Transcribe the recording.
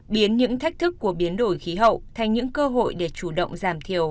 biến những thách thức của biến đổi khí hậu thành những cơ hội để chủ động giảm thiểu